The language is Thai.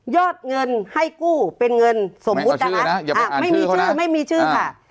อดเงินให้กู้เป็นเงินสมมุตินะคะไม่มีชื่อไม่มีชื่อค่ะ